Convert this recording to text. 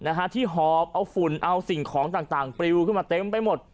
นะฮะที่หอบเอาฝุ่นเอาสิ่งของต่างต่างปลิวขึ้นมาเต็มไปหมด